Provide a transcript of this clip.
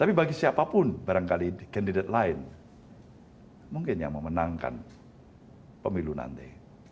tapi bagi siapapun barangkali kandidat lain mungkin yang memenangkan pemilu nanti